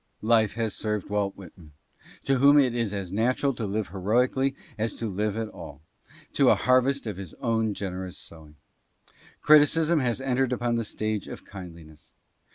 Life has served Walt Whitman, to whom it is as natural to live heroically as to live at all, to a harvest of his own generous sowing. Criti cism has entered upon the stage of kindliness.